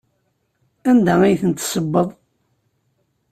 Anda ay tent-tessewweḍ?